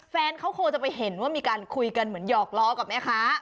แฟนเขาคงจะไปเห็นว่ามีการคุยกันเหมือนหยอกล้อกับแม่ค้า